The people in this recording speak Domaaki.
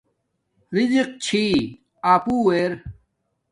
رزِق چھی اپݸ ار